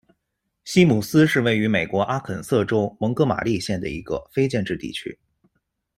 西姆斯是位于美国阿肯色州蒙哥马利县的一个非建制地区。